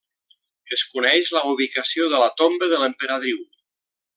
Es coneix la ubicació de la tomba de l'emperadriu.